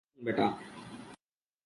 শোন, বেটা।